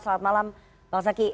selamat malam bang zaki